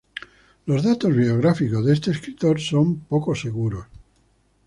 Los datos biográficos de este escritor son poco seguros.